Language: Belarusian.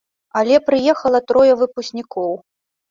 Але прыехала трое выпускнікоў.